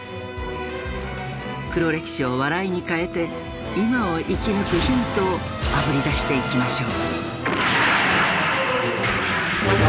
黒歴史を笑いに変えて今を生き抜くヒントをあぶり出していきましょう。